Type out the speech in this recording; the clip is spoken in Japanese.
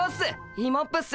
イモップっす。